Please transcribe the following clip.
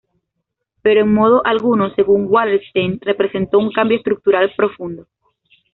Pero, en modo alguno, según Wallerstein, representó un cambio estructural profundo.